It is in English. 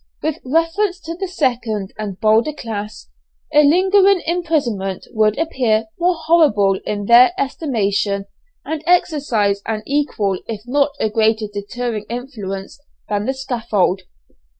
With reference to the second and bolder class, a lingering imprisonment would appear more horrible in their estimation, and exercise an equal if not a greater deterring influence than the scaffold.